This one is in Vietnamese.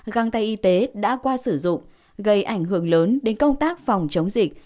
găng tay y tế đã qua sử dụng gây ảnh hưởng lớn đến công tác phòng chống dịch